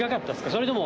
それとも。